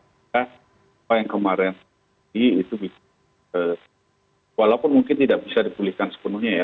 maka apa yang kemarin itu bisa walaupun mungkin tidak bisa dipulihkan sepenuhnya ya